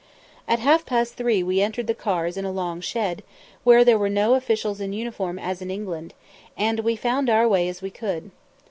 At half past three we entered the cars in a long shed, where there were no officials in uniform as in England, and we found our way in as we could.